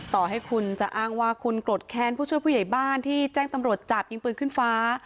ต่อให้คุณจะอ้างว่าคุณโกรธแค้นผู้ช่วยผู้ใหญ่บ้านที่แจ้งตำรวจจับยิงปืนขึ้นฟ้า